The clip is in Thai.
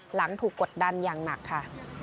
หลังถูกกดดันอย่างหนักค่ะ